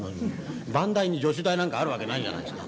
「番台に助手台なんかあるわけないじゃないですか。